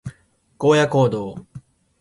荒野行動